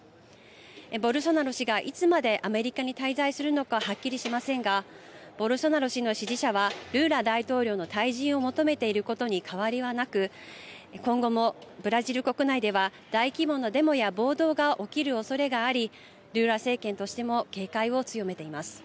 ボルソナロ氏が、いつまでアメリカに滞在するのかはっきりしませんがボルソナロ氏の支持者はルーラ大統領の退陣を求めていることに変わりはなく今後もブラジル国内では大規模なデモや暴動が起きるおそれがありルーラ政権としても警戒を強めています。